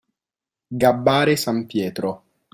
Gabbare San Pietro.